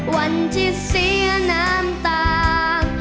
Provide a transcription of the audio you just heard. วันที่เสียน้ำตา